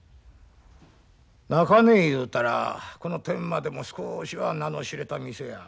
中根いうたらこの天満でも少しは名の知れた店や。